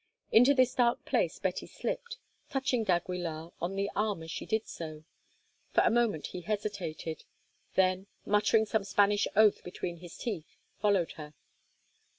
Into this dark place Betty slipped, touching d'Aguilar on the arm as she did so. For a moment he hesitated, then, muttering some Spanish oath between his teeth, followed her.